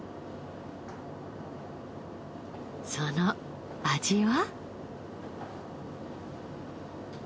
その味は？